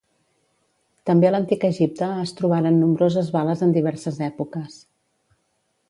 També a l'antic Egipte es trobaren nombroses bales en diverses èpoques.